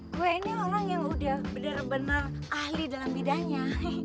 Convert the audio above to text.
gue ini orang yang udah bener bener ahli dalam bidahnya